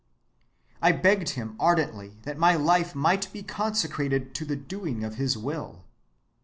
I begged him ardently that my life might be consecrated to the doing of his will.